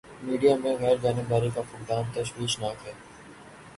Media میں غیر جانبداری کا فقدان تشویش ناک ہے۔